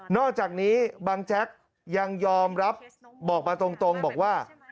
อกจากนี้บางแจ๊กยังยอมรับบอกมาตรงบอกว่า